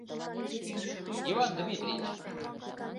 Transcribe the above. — Иван Дмитриевич!